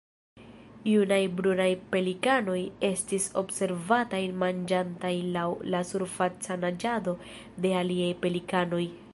Junaj brunaj pelikanoj estis observataj manĝantaj laŭ la surfaca naĝado de aliaj pelikanoj.